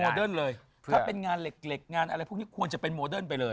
เลยถ้าเป็นงานเหล็กงานอะไรพวกนี้ควรจะเป็นโมเดิร์นไปเลย